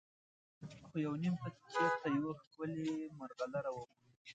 خو یو نیم پکې چېرته یوه ښکلې مرغلره ومومي.